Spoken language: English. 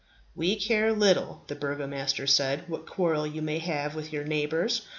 "We care little," the Burgomaster said, "what quarrel you may have had with your neighbours.